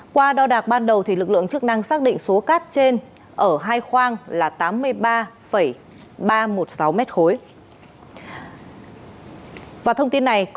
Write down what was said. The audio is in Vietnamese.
qua đo đạc ban đầu lực lượng chức năng xác định số cát trên ở hai khoang